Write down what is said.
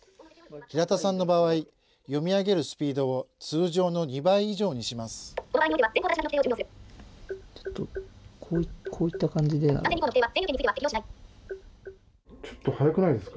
平田さんの場合、読み上げるスピードを通常の２倍以上にします。